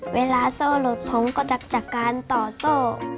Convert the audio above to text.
เวลาโซ่หลดผมก็จักรจักรการต่อโซ่